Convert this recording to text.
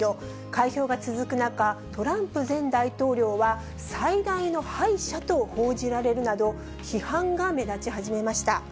開票が続く中、トランプ前大統領は最大の敗者と報じられるなど、批判が目立ち始めました。